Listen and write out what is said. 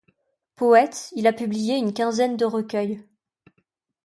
Poète, il a publié une quinzaine de recueils.